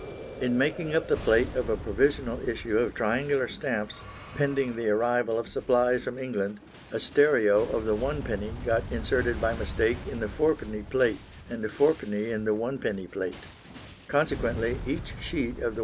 In making up the plate of a provisional issue of triangular stamps, pending the arrival of supplies from England, a stereo of the 1d. got inserted by mistake in the 4d. plate, and a 4d. in the 1d. plate. Consequently each sheet of the 1d.